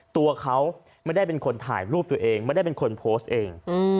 ตัวเขาไม่ได้เป็นคนถ่ายรูปตัวเองไม่ได้เป็นคนโพสต์เอง